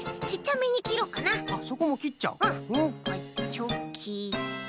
チョキと。